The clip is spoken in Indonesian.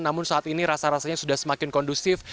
namun saat ini rasa rasanya sudah semakin kondusif